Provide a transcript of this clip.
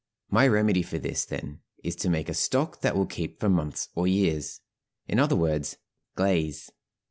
My remedy for this, then, is to make a stock that will keep for months or years in other words, glaze.